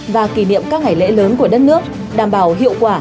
và kỷ niệm các ngày lễ lớn của đất nước đảm bảo hiệu quả